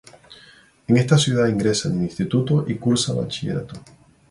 En esta ciudad ingresa en el instituto y cursa bachillerato.